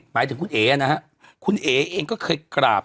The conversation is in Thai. หมายถึงคุณเอ๋นะฮะคุณเอ๋เองก็เคยกราบ